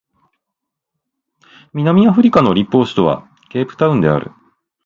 南アフリカの立法首都はケープタウンである